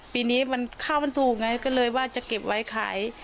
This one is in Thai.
ปีนี้ข้าวมันถูกไงก็เลยว่าจะเก็บไว้ขาย